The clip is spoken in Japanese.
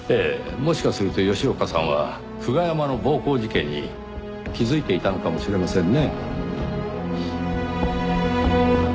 もしかすると吉岡さんは久我山の暴行事件に気づいていたのかもしれませんね。